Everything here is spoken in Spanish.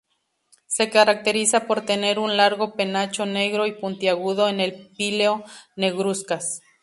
Se caracteriza por tener un largo penacho negro y puntiagudo en el píleo negruzcas.